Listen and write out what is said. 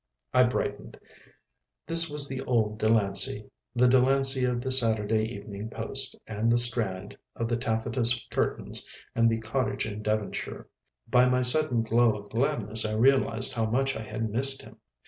I brightened. This was the old Delancey. The Delancey of the Saturday Evening Post and the Strand, of the taffetas curtains and the cottage in Devonshire. By my sudden glow of gladness I realised how much I had missed him.